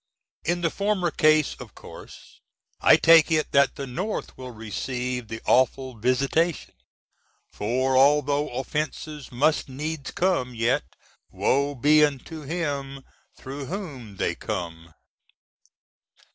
In the former case of course I take it that the North will receive the awful visitation, for although offences must needs come, yet, woe be unto him through whom they come!